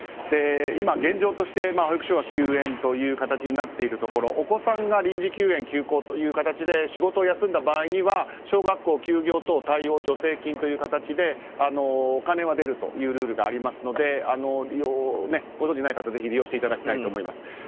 今、現状として保育所が休園という形になっているところお子さんが臨時休園・休校という形で仕事を休んだ場合には小学校休業等対応助成金という形でお金は出るというルールがありますのでご存じない方は、ぜひ利用していただきたいと思います。